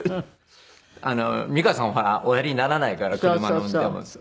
美川さんはおやりにならないから車の運転は。